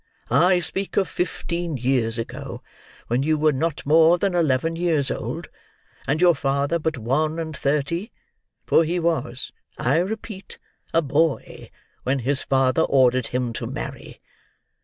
"I speak of fifteen years ago, when you were not more than eleven years old, and your father but one and thirty—for he was, I repeat, a boy, when his father ordered him to marry.